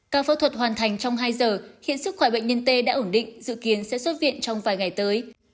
ca phẫu thuật hoàn thành trong hai giờ hiện sức khỏe bệnh nhân t đã ổn định dự kiến sẽ xuất viện trong vài ngày tới